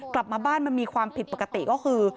กลับมาบ้านมันมีความผิดปกติก็คือ